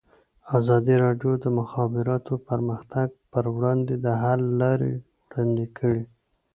ازادي راډیو د د مخابراتو پرمختګ پر وړاندې د حل لارې وړاندې کړي.